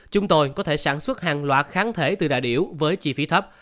chúng tôi có thể sản xuất hàng loạt kháng thể từ đại biểu với chi phí thấp